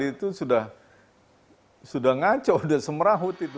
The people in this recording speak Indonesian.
itu sudah ngaco sudah semerahuti